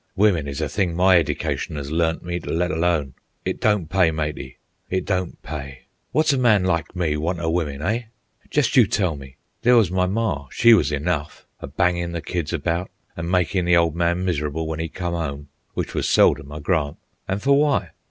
"Wimmen is a thing my edication 'as learnt me t' let alone. It don't pay, matey; it don't pay. Wot's a man like me want o' wimmen, eh? jest you tell me. There was my mar, she was enough, a bangin' the kids about an' makin' the ole man mis'rable when 'e come 'ome, w'ich was seldom, I grant. An' fer w'y?